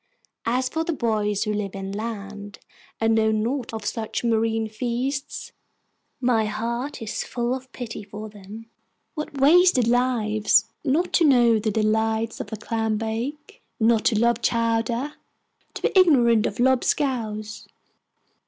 As for the boys who live inland, and know naught of such marine feasts, my heart is full of pity for them. What wasted lives! Not to know the delights of a clam bake, not to love chowder, to be ignorant of lob scouse!